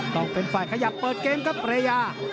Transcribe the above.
ต้องเป็นฝ่ายขยับเปิดเกมครับระยะ